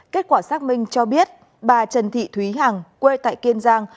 kết quả xác minh cho biết bà trần thị thúy hằng quê tại kiên giang